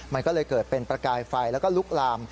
มันก็เลยเกิดเป็นประกายไฟแล้วก็ลุกลาม